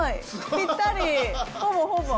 ぴったり、ほぼほぼ。